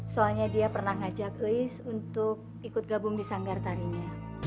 soalnya dia pernah ngajak lois untuk ikut gabung di sanggar tarinya